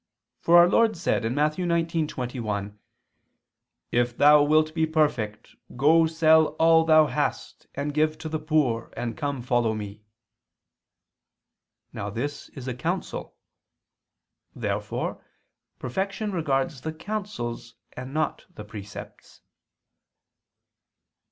For our Lord said (Matt. 19:21): "If thou wilt be perfect, go sell all [Vulg.: 'what'] thou hast, and give to the poor ... and come, follow Me." Now this is a counsel. Therefore perfection regards the counsels and not the precepts.